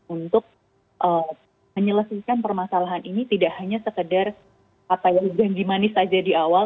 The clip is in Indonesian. harapannya tuh dua duanya mau berproses untuk menyelesaikan permasalahan ini tidak hanya sekedar apa yang ganti manis saja di awal